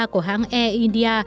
của hãng air india